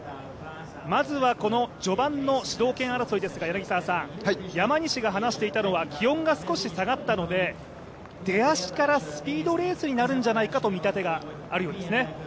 まずは序盤の主導権争いですが、山西が話していたのは気温が少し下がったので、出足からスピードレースになるんじゃないかという見立てがあるようですね。